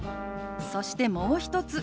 そしてもう一つ。